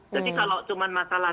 jadi kalau cuma masalah